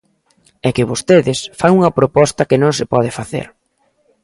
É que vostedes fan unha proposta que non se pode facer.